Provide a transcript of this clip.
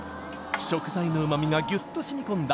食材の旨みがギュッとしみ込んだ